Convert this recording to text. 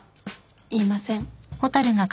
言いません。